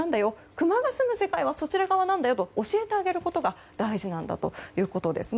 クマが住む世界はそちら側なんだよと教えてあげることが大事なんだということなんですね。